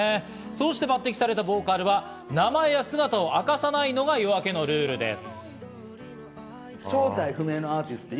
そして抜てきされたボーカルは、名前や姿を明かさないのがＹＯＡＫＥのルールです。